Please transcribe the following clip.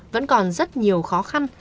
vẫn còn rất nhiều khó khăn